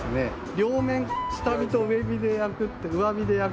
両面下火と上火で焼くっていうね